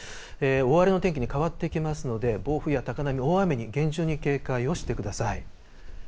大荒れの天気に変わってきますので、暴風や高波、大雨に厳重に警戒をしてください。